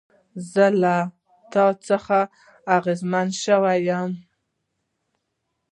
زه له تا څخه اغېزمن شوم